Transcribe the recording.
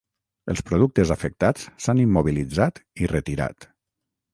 Els productes afectats s’han immobilitzat i retirat.